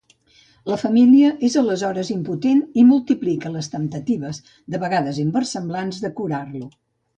La família és aleshores impotent i multiplica les temptatives, de vegades inversemblants, de curar-lo.